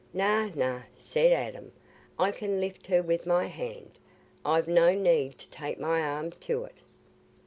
"Nay, nay," said Adam, "I can lift her with my hand—I've no need to take my arm to it."